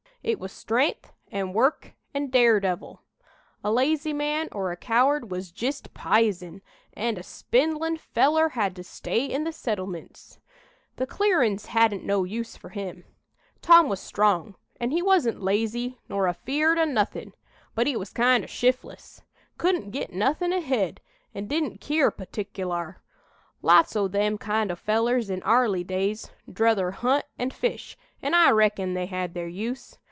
It was stren'th an' work an' daredevil. A lazy man or a coward was jist pizen, an' a spindlin' feller had to stay in the settlemints. The clearin's hadn't no use fur him. Tom was strong, an' he wasn't lazy nor afeer'd o' nothin', but he was kind o' shif'less couldn't git nothin' ahead, an' didn't keer putickalar. Lots o' them kind o' fellers in 'arly days, 'druther hunt and fish, an' I reckon they had their use.